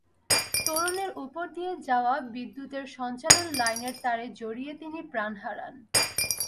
তোরণের ওপর দিয়ে যাওয়া বিদ্যুতের সঞ্চালন লাইনের তারে জড়িয়ে তিনি প্রাণ হারান।